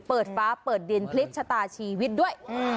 เปิดฟ้าเปิดดินพลิกชะตาชีวิตด้วย